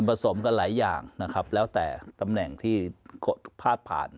สมกันหลายอย่างนะครับแล้วแต่ตำแหน่งที่พาดผ่าน